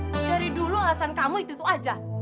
dari dulu alasan kamu itu itu aja